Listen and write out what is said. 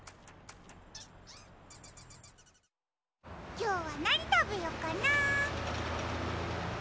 きょうはなにたべよっかな。